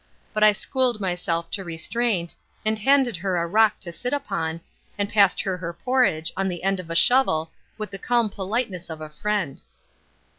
But I schooled myself to restraint, and handed her a rock to sit upon, and passed her her porridge on the end of a shovel with the calm politeness of a friend.